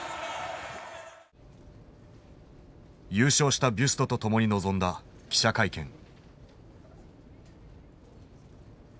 優勝したビュストと共に臨んだ記者会見。